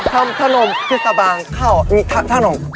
ทั้งทะนมที่สะบางเท้าทะทะทะนม